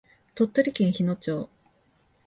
鳥取県日野町